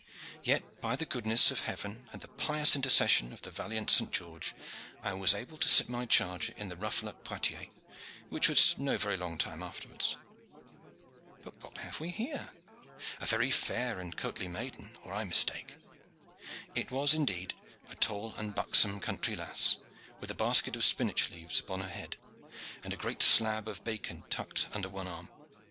Yet, by the goodness of heaven and the pious intercession of the valiant St. George, I was able to sit my charger in the ruffle of Poictiers, which was no very long time afterwards. But what have we here? A very fair and courtly maiden, or I mistake." It was indeed a tall and buxom country lass, with a basket of spinach leaves upon her head, and a great slab of bacon tucked under one arm.